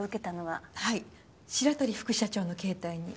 はい白鳥副社長の携帯に。